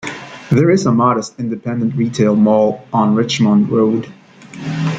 There is a modest independent retail mall on Richmond Road.